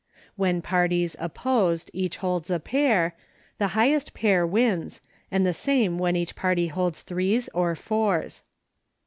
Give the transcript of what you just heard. When parties, opposed, each holds a pair, the highest pair wins, and the same when each party holds threes or fours.